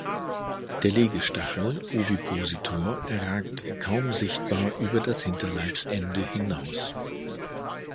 Der Legestachel (Ovipositor) ragt kaum sichtbar über das Hinterleibsende hinaus.